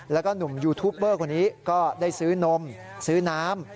แล้วก็หนุ่มยูทูปเบอร์คนนี้ก็ได้ซื้อนมซื้อน้ำ